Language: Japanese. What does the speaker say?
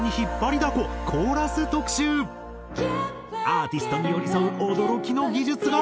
アーティストに寄り添う驚きの技術が！